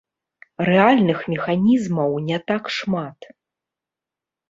Рэальных механізмаў не так шмат.